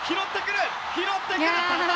拾ってくる！